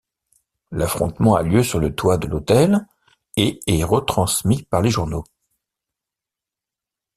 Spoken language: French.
L'affrontement a lieu sur le toit de l'hôtel et est retransmis par les journaux.